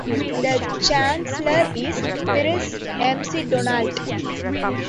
The chancellor is Piers McDonald.